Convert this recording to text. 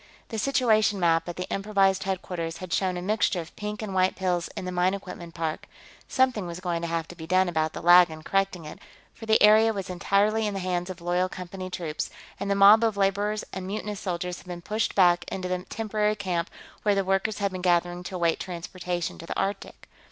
The situation map at the improvised headquarters had shown a mixture of pink and white pills in the mine equipment park; something was going to have to be done about the lag in correcting it, for the area was entirely in the hands of loyal Company troops, and the mob of laborers and mutinous soldiers had been pushed back into the temporary camp where the workers had been gathered to await transportation to the Arctic.